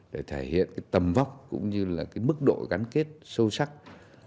để thể hiện tầm vóc cũng như mức độ gắn kết sâu sắc hơn